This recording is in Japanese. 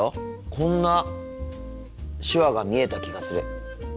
こんな手話が見えた気がする。